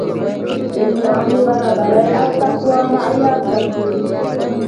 اسلام د برابرۍ او تقوی معیار ټاکي.